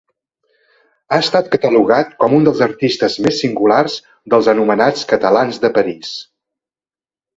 Ha estat catalogat com un dels artistes més singulars dels anomenats 'catalans de París'.